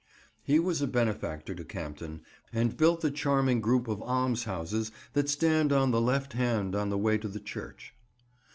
He was a benefactor to Campden, and built the charming group of almshouses that stand on the left hand on the way to the church.